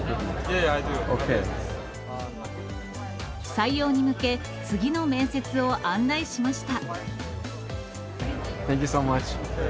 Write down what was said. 採用に向け、次の面接を案内しました。